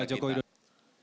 terima kasih bapak jokowi